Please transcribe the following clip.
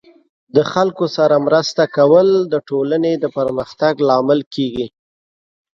د خلکو سره مرسته کول د ټولنې د پرمختګ لامل کیږي.